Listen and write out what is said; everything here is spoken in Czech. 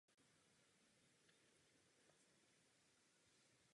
Nejstaršími obyvateli vsi byla zřejmě čeleď z hradu Rýzmberka.